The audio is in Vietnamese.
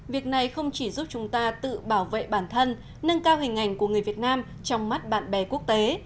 việc này không chỉ giúp chúng ta tự bảo vệ bản thân nâng cao hình ảnh của người việt nam trong mắt bạn bè quốc tế